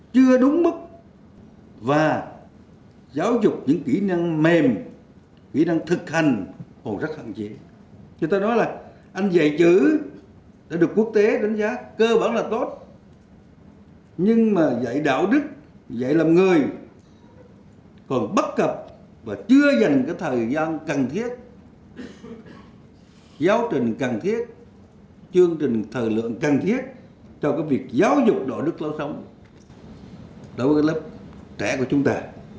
chương trình thời gian cần thiết giáo trình cần thiết chương trình thời lượng cần thiết cho việc giáo dục đạo đức lối sống đối với lớp trẻ của chúng ta